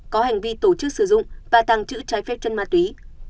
có hành vi tổ chức sử dụng và tăng chữ trái phép chân ma túy